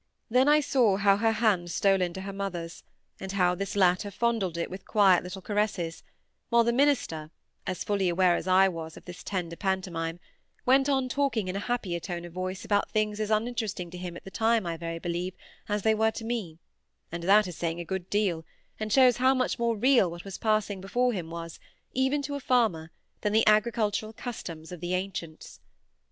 Then I saw how her hand stole into her mother's, and how this latter fondled it with quiet little caresses, while the minister, as fully aware as I was of this tender pantomime, went on talking in a happier tone of voice about things as uninteresting to him, at the time, I very believe, as they were to me; and that is saying a good deal, and shows how much more real what was passing before him was, even to a farmer, than the agricultural customs of the ancients.